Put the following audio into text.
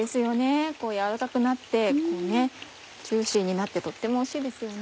軟らかくなってジューシーになってとってもおいしいですよね。